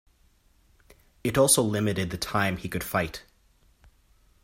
It also limited the time he could fight.